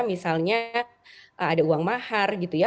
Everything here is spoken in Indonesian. misalnya ada uang mahar gitu ya